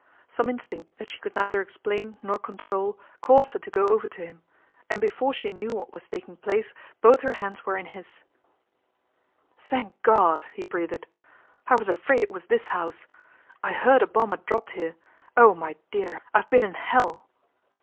Some instinct that she could neither explain nor control caused her to go over to him, and before she knew what was taking place both her hands were in his " Thank God !" he breathed. " I was afraid it was this house. I heard a bomb had dropped I here. Oh, my dear ! I've been in hell